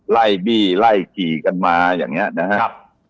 ไล่บี้ไล่ขี่กันมาอย่างนี้นะครับ